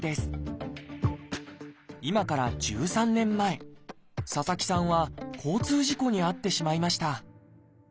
今から１３年前佐々木さんは交通事故に遭ってしまいました。